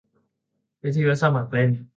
วิทยุสมัครเล่น